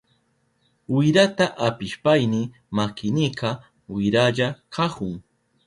Wirata apishpayni makinika wirahlla kahun.